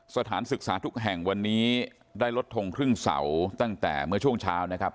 สถานศึกษาทุกแห่งวันนี้ได้ลดทงครึ่งเสาตั้งแต่เมื่อช่วงเช้านะครับ